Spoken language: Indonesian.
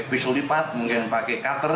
visulipat mungkin pakai cutter